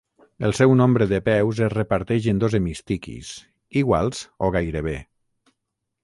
El seu nombre de peus es reparteix en dos hemistiquis, iguals o gairebé.